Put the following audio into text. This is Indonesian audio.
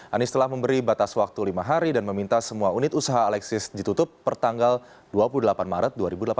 anies telah memberi batas waktu lima hari dan meminta semua unit usaha alexis ditutup per tanggal dua puluh delapan maret dua ribu delapan belas